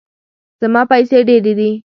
زما پیسې ډیرې دي